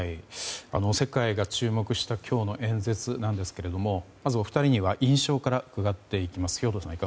世界が注目した今日の演説なんですがまずお二人には印象から伺っていきます。